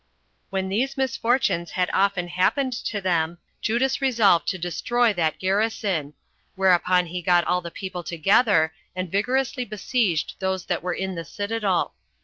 When these misfortunes had often happened to them, Judas resolved to destroy that garrison; whereupon he got all the people together, and vigorously besieged those that were in the citadel.